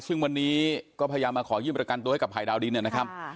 ซึ่งวันนี้ก็พยายามมาขอยื่นประกันตัวให้กับภัยดาวดินนะครับ